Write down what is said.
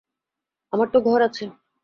আমার তো ঘর আছে।